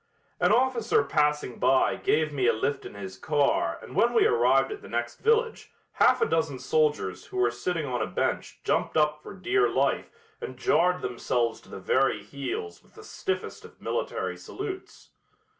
An officer passing by gave me a lift in his car and when we arrived at the next village half a dozen soldiers who were sitting on a bench jumped up for dear life and jarred themselves to the very heels with the stiffest of military salutes.